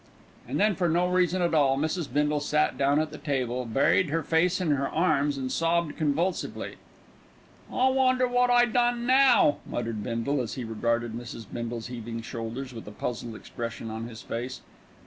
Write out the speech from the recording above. And then for no reason at all Mrs. Bindle sat down at the table, buried her face in her arms and sobbed convulsively. "I wonder wot I done now," muttered Bindle, as he regarded Mrs. Bindle's heaving shoulders with a puzzled expression on his face.